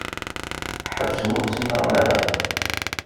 Ḥebsem ur ttnaɣem ara.